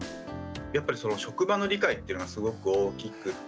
やっぱり職場の理解っていうのがすごく大きくて。